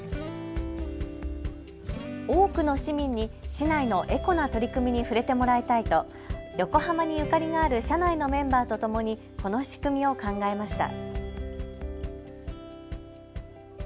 多くの市民にに市内のエコな取り組みに触れてもらいたいと横浜にゆかりがある社内のメンバーとともにこの仕組みを考えました。